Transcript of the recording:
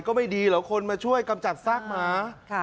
ก็ไม่ดีเหรอคนมาช่วยกำจัดสร้างสาขม้า